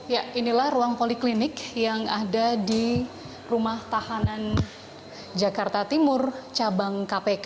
ya inilah ruang poliklinik yang ada di rumah tahanan jakarta timur cabang kpk